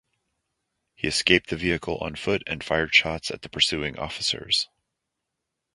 He escaped the vehicle on foot and fired shots at the pursuing officers.